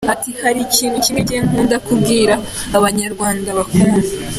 Ati “Hari ikintu kimwe njye nkunda kubwira abanyarwanda bakumva.